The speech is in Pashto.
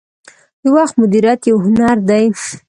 • د وخت مدیریت یو هنر دی.